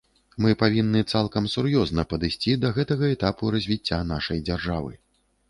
Мы павінны цалкам сур'ёзна падысці да гэтага этапу развіцця нашай дзяржавы.